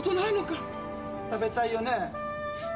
食べたいよね？